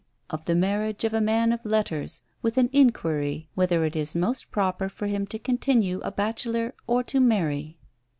of the Marriage of a Man of Letters, with an inquiry whether it is most proper for him to continue a bachelor, or to marry?